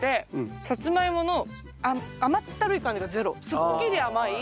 すっきり甘い。